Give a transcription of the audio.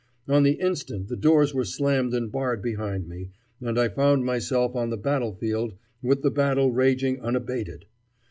On the instant the doors were slammed and barred behind me, and I found myself on the battlefield with the battle raging unabated.